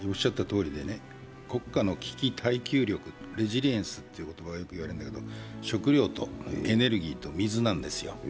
国家の危機耐久力、レジリエンスっていうことがよく言われるんだけど、食料とエネルギーと水なんですよ。